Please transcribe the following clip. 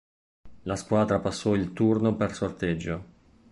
La squadra passò il turno per sorteggio.